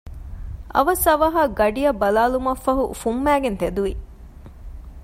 އަވަސް އަވަހަށް ގަޑިއަށް ބަލާލުމަށްފަހު ފުންމައިގެން ތެދުވި